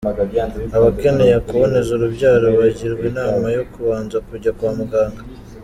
Abakeneye kuboneza urubyaro bagirwa inama yo kubanza kujya kwa muganga .